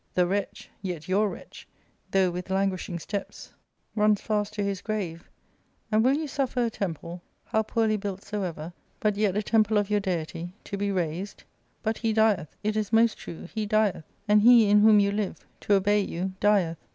The wretch — yet your wretch — ^though with languishing steps, runs fast to his y 144 4RCADIA.—Book IT, grave ; and will you suffer a temple — how poorly built soever, but yet a temple of your deity — ^to be razed ? But he dieth, it is most true, he dieth ; and he in whom you live, to obey you, dieth.